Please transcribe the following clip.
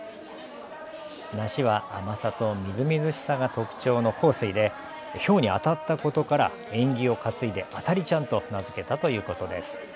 梨は甘さとみずみずしさが特徴の幸水でひょうに当たったことから縁起を担いであた梨ちゃんと名付けたということです。